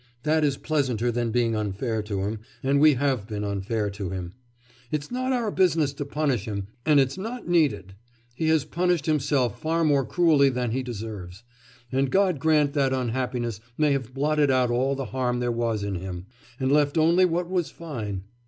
That is pleasanter than being unfair to him, and we have been unfair to him. It's not our business to punish him, and it's not needed; he has punished himself far more cruelly than he deserved. And God grant that unhappiness may have blotted out all the harm there was in him, and left only what was fine!